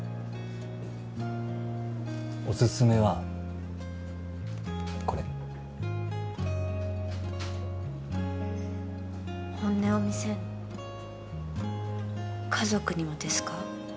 オススメはこれ本音を見せん家族にもですか？